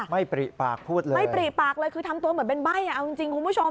ไม่ปรีปากพูดเลยคือทำตัวเหมือนเป็นใบ้เอาจริงคุณผู้ชม